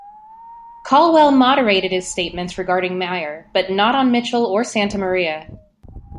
Calwell moderated his statements regarding Maher, but not on Mitchell or Santamaria.